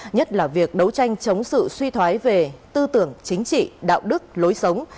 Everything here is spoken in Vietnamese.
nhất là việc đấu tranh chống sự suy thoái về tư tưởng chính trị đạo đức lối sống